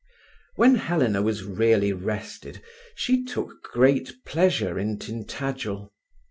When Helena was really rested, she took great pleasure in Tintagel.